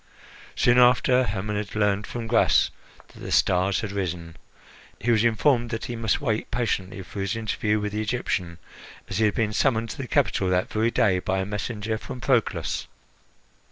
Soon after Hermon had learned from Gras that the stars had risen, he was informed that he must wait patiently for his interview with the Egyptian, as he had been summoned to the capital that very day by a messenger from Proclus.